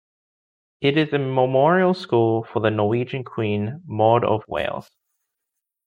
It is a memorial school for the Norwegian queen Maud of Wales.